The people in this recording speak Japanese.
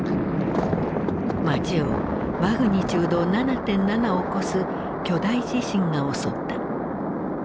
街をマグニチュード７．７を超す巨大地震が襲った。